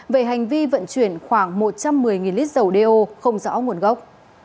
về hành vi vận chuyển khoảng một trăm một mươi lít dầu đeo không rõ nguồn gốc